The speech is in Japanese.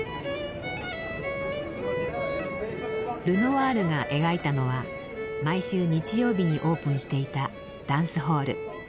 ルノワールが描いたのは毎週日曜日にオープンしていたダンスホール。